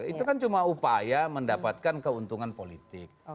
itu kan cuma upaya mendapatkan keuntungan politik